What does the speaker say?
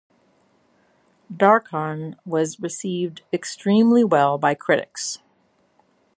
"Darkon" was received extremely well by critics.